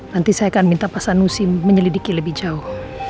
nanti saya akan minta pasanusi menyelidiki lebih jauh